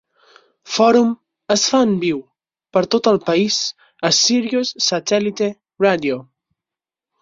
"Forum" es fa en viu, per tot el país, a Sirius Satellite Radio.